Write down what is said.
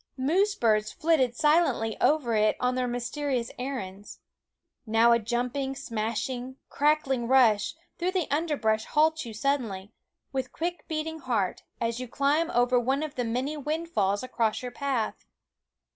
Moose birds flitted silently over it on their mysterious errands. Now a jumping, smash ing, crackling rush through the underbrush halts you suddenly, with quick beating heart, as you climb over one of the many windfalls across your path.